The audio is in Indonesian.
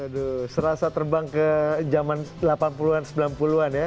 aduh serasa terbang ke zaman delapan puluh an sembilan puluh an ya